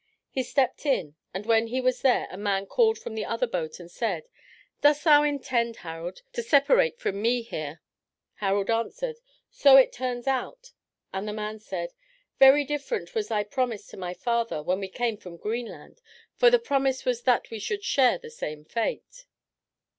He stepped in, and when he was there a man called from the other boat and said, "Dost thou intend, Harald, to separate from me here?" Harald answered, "So it turns out," and the man said, "Very different was thy promise to my father when we came from Greenland, for the promise was that we should share the same fate."